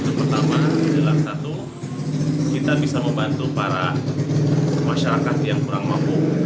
yang pertama adalah satu kita bisa membantu para masyarakat yang kurang mampu